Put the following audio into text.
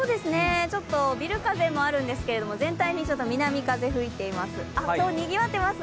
ちょっとビル風もあるんですけれども、全体に南風が吹いています。